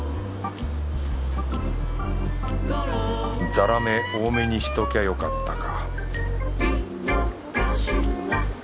ザラメ多めにしときゃよかったか